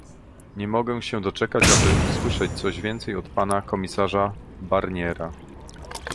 Nie mogę się doczekać, aby usłyszeć coś więcej od pana komisarza Barniera